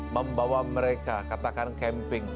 membawa mereka katakan camping